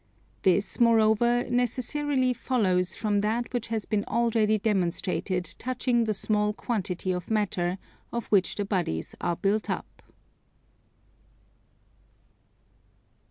This, moreover, necessarily follows from that which has been already demonstrated touching the small quantity of matter of which the bodies are built up.